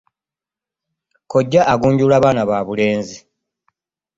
Kojja agunjula baana ba bulenzi.